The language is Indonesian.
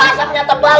itu asetnya tempat usaha